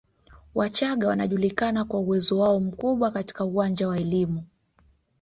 Wachagga wanajulikana kwa uwezo wao mkubwa katika uwanja wa elimu